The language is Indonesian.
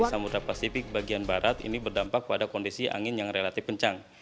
di samudera pasifik bagian barat ini berdampak pada kondisi angin yang relatif kencang